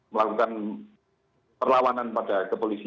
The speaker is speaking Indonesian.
melakukan perlawanan pada kepolisian